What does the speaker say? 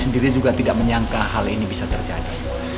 sendiri juga tidak menyangka hal ini bisa terjadi